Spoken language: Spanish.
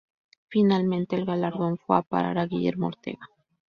Finalmente el galardón fue a parar a Guillermo Ortega.